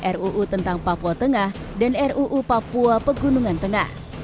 ruu tentang papua tengah dan ruu papua pegunungan tengah